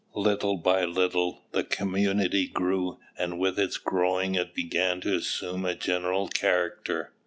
Little by little the community grew and with its growing it began to assume a general character.